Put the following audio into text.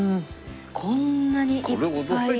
こんなにいっぱい。